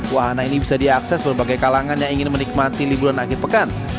wahana ini bisa diakses berbagai kalangan yang ingin menikmati liburan akhir pekan